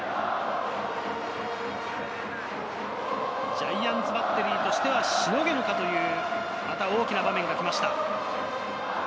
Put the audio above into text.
ジャイアンツバッテリーとしては、しのげるかという大きな場面がきました。